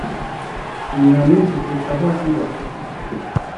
inyoni mt inyoni zifite aho ziba